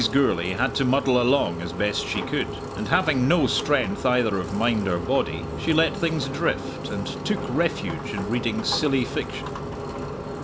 Gourlay had to muddle along as best she could, and having no strength either of mind or body, she let things drift, and took refuge in reading silly fiction.